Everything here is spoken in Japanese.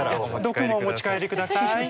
毒もお持ち帰りください。